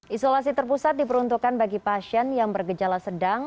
isolasi terpusat diperuntukkan bagi pasien yang bergejala sedang